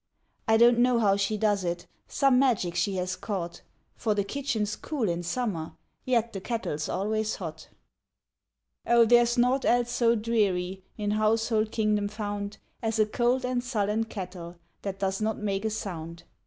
I don't know how she does it Some magic she has caught For the kitchen's cool in summer, Yet the kettle's always hot. Oh, there's naught else so dreary In household kingdom found As a cold and sullen kettle That does not make a sound.